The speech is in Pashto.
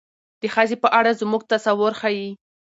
د ښځې په اړه زموږ تصور ښيي.